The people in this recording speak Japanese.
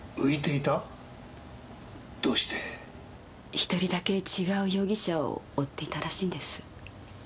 １人だけ違う容疑者を追っていたらしいんです。